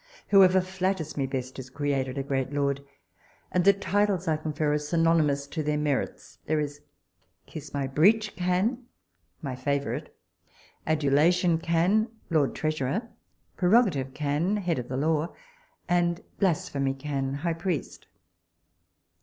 Whoever flatters me best is created a great lord, and the titles I confer are synonimous to their merits. There is Kiss my breech Can, my favourite; Adulation Can, lord treasurer; Prerogative Can, head of the law; and Blasphemy Can, high priest.